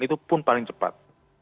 itu pun paling cepat